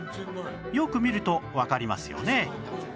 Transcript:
よく見るとわかりますよね